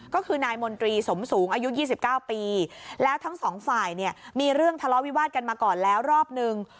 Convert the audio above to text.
ก็คือนายมนตรีสมสูงอายุ๒๙ปีแล้วทั้งสองฝ่ายเนี่ยมีเรื่องทะเลาะวิวาสกันมาก่อนแล้วรอบนึง